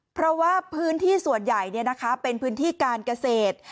เพราะว่าพื้นที่ส่วนใหญ่เป็นพื้นที่การเกษตร